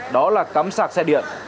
đó là cắm sạc xe điện